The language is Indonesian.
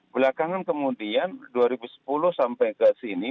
belakangan kemudian dua ribu sepuluh sampai ke sini